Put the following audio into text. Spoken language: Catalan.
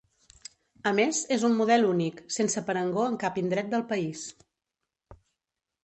A més, és un model únic, sense parangó en cap indret del país.